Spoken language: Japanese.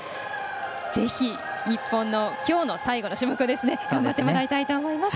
ぜひ、日本のきょうの最後の種目頑張ってもらいたいと思います。